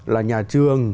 là nhà trường